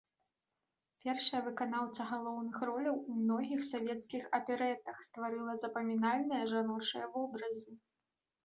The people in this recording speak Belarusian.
Першая выканаўца галоўных роляў у многіх савецкіх аперэтах, стварыла запамінальныя жаночыя вобразы.